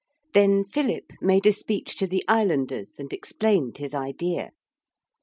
Then Philip made a speech to the islanders and explained his idea.